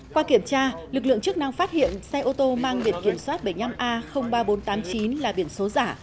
qua kiểm tra lực lượng chức năng phát hiện xe ô tô mang biển kiểm soát bảy mươi năm a ba nghìn bốn trăm tám mươi chín là biển số giả